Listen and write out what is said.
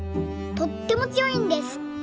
とってもつよいんです。